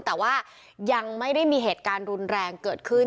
แต่ว่ายังไม่ได้มีเหตุการณ์รุนแรงเกิดขึ้น